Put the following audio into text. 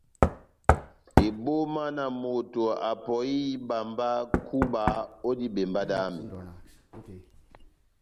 Ebóma na moto apɔhi ihíba mba kúba ó dibembá dami !